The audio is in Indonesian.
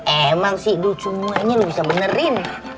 emang sih dulu semuanya lo bisa benerin